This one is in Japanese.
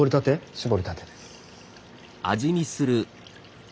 搾りたてです。